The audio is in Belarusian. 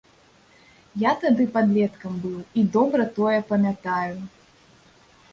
Я тады падлеткам быў і добра тое памятаю.